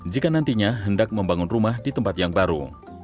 jika nantinya hendak membangun rumah di tempat yang baru